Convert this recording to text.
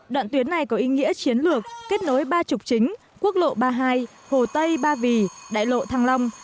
đoạn tuyến này có ý nghĩa chiến lược kết nối ba trục chính quốc lộ ba mươi hai hồ tây ba vì đại lộ thăng long